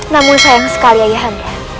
namun sayang sekali ayah anda